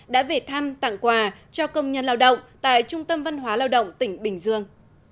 đã về thăm tặng quà cho công nhân lao động tại trung tâm văn hóa lao động tỉnh bình dương